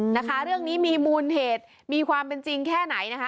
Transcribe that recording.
นะคะเรื่องนี้มีมูลเหตุมีความเป็นจริงแค่ไหนนะคะ